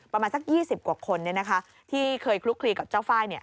ประมาณสัก๒๐กว่าคนที่เคยคลุกคลีกับเจ้าไฟล์